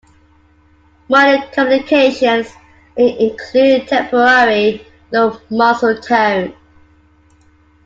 Mild complications may include temporary low muscle tone.